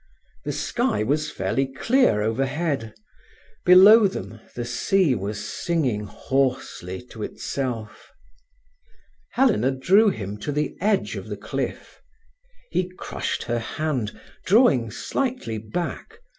The sky was fairly clear overhead. Below them the sea was singing hoarsely to itself. Helena drew him to the edge of the cliff. He crushed her hand, drawing slightly back.